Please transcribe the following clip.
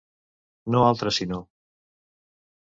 No altre sinó.